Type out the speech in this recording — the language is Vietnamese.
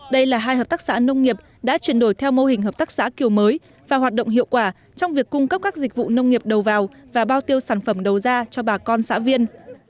đây là hai hợp tác xã nông nghiệp đã chuyển đổi theo mô hình hợp tác xã kiểu mới và hoạt động hiệu quả trong việc cung cấp các dịch vụ nông nghiệp đầu vào và bao tiêu sản phẩm đầu ra cho bà con xã viên